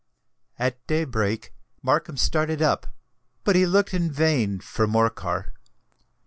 At day break Markham started up; but he looked in vain for Morcar.